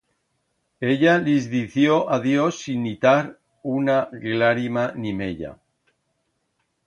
Ella lis dició adiós sin itar una glarima ni meya.